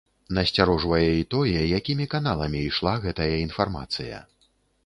Насцярожвае і тое, якімі каналамі ішла гэтая інфармацыя.